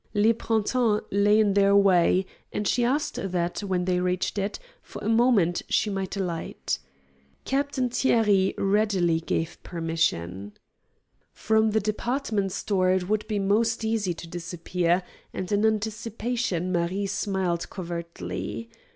Le Printemps lay in their way, and she asked that, when they reached it, for a moment she might alight. Captain Thierry readily gave permission. From the department store it would be most easy to disappear, and in anticipation Marie smiled covertly.